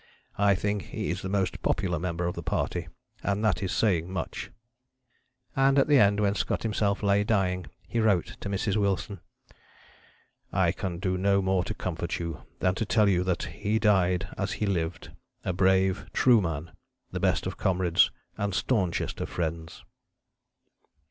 I think he is the most popular member of the party, and that is saying much." And at the end, when Scott himself lay dying, he wrote to Mrs. Wilson: "I can do no more to comfort you, than to tell you that he died as he lived, a brave, true man the best of comrades and staunchest of friends."